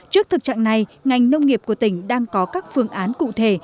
trước thực trạng này ngành nông nghiệp của tỉnh đang có các phương án cụ thể